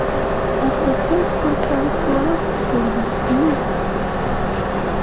Ɣas akken, ḥulfaɣ i ssura-w tekker deg-s tmes.